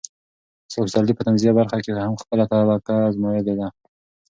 استاد پسرلي په طنزيه برخه کې هم خپله طبع ازمایلې وه.